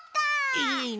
いいね！